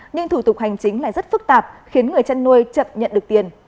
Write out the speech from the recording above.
nhưng thủ tục hành chính lại rất phức tạp khiến người chăn nuôi chậm nhận được tiền